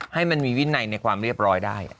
ให้มันมีวินัยในความเรียบร้อยได้